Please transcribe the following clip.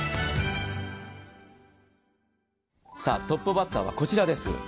トップバッターはこちらです。